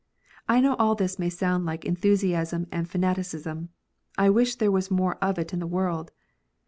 I know all this may sound like enthusiasm and fanaticism. I wish there was more of it in the world.